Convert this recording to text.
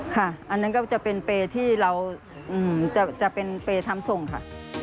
อันนั้นก็จะเป็นเปรย์ที่เราจะเป็นเปรย์ทำส่งค่ะ